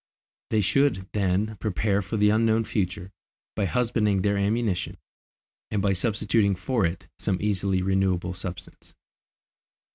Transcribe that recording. They should, then, prepare for the unknown future by husbanding their ammunition and by substituting for it some easily renewable substance.